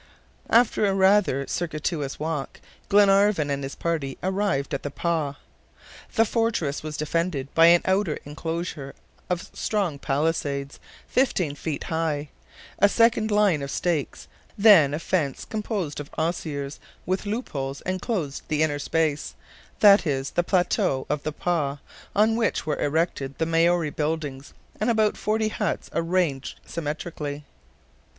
After a rather circuitous walk, Glenarvan and his party arrived at the "pah." The fortress was defended by an outer inclosure of strong palisades, fifteen feet high; a second line of stakes; then a fence composed of osiers, with loop holes, inclosed Verne the inner space, that is the plateau of the "pah," on which were erected the Maori buildings, and about forty huts arranged symmetrically.